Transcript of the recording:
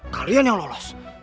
kalian yang lolos